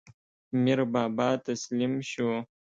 میربابا تسلیم شو.